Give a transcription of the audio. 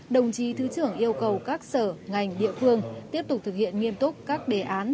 đồng chí thứ trưởng yêu cầu các sở ngành địa phương tiếp tục thực hiện nghiêm túc các đề án